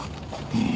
うん。